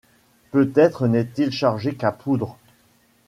Peut-être n’est-il chargé qu’à poudre.